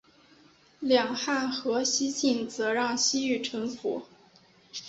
两汉和西晋则让西域臣服。